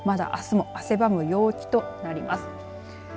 まだ、あすも汗ばむ陽気となります。